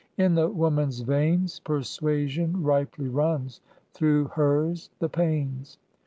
In the woman's veins Persuasion ripely runs, through hers the pains.